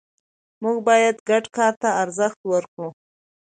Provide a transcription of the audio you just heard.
موږ باید ګډ کار ته ارزښت ورکړو